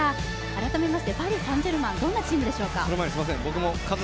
改めましてパリ・サンジェルマン、どんなチームでしょうか？